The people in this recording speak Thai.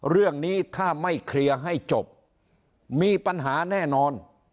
เรื่องนี้ถ้าไม่เคลียร์ให้จบมีปัญหาแน่นอน